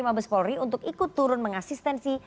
mabes polri untuk ikut turun mengasistensi